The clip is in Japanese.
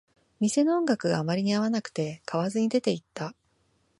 店の音楽があまりに合わなくて、買わずに出ていった